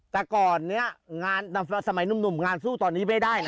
แต่ก่อนนี้งานสมัยหนุ่มงานสู้ตอนนี้ไม่ได้นะ